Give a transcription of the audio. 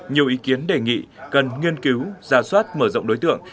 nhiều ý kiến đề nghị cần nghiên cứu giả soát mở rộng đối tượng